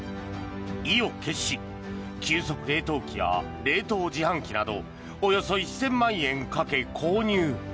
意を決し急速冷凍機や冷凍自販機などおよそ１０００万円かけ、購入。